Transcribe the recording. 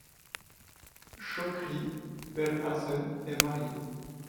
Chokri Belhassen est marié.